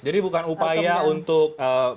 jadi bukan upaya untuk